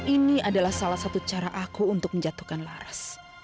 ini adalah salah satu cara aku untuk menjatuhkan laras